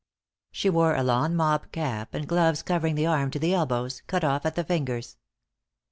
She wore a lawn mob cap, and gloves covering the arm to the elbows, cut off at the fingers.